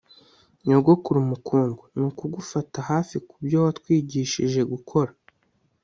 nyogokuru mukundwa, nukugufata hafi kubyo watwigishije gukora